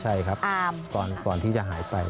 ใช่ครับก่อนที่จะหายไป